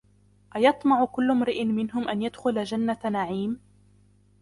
أَيَطْمَعُ كُلُّ امْرِئٍ مِنْهُمْ أَنْ يُدْخَلَ جَنَّةَ نَعِيمٍ